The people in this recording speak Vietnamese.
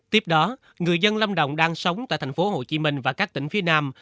tiếp đó người dân lâm đồng đang sống tại tp hcm và các tỉnh phía nam